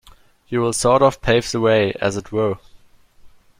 You will sort of pave the way, as it were.